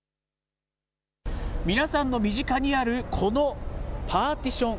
皆さんの身近にあるこのパーティション。